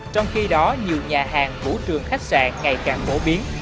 trong khi đó nhiều nhà hàng bủ trường khách sạn ngày càng bổ biến